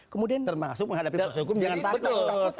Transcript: kemudian termasuk menghadapi proses hukum jangan takut